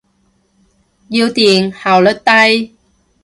要電，效率低。